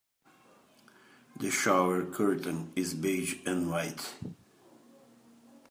The shower curtain is beige and white.